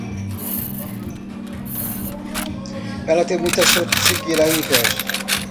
Ela tem muita sorte de seguir a inveja.